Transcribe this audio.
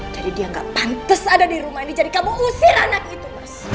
jadi dia gak pantes ada di rumah ini jadi kamu usir anak itu mas